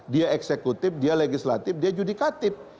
dia eksekutif dia legislatif dia judikatif